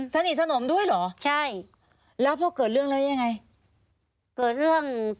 สนิทสนมด้วยเหรอใช่แล้วพอเกิดเรื่องแล้วยังไงเกิดเรื่อง